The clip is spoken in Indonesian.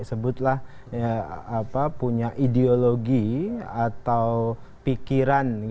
sebutlah punya ideologi atau pikiran